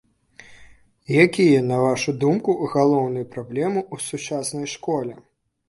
Якія, на вашу думку, галоўныя праблемы ў сучаснай школе?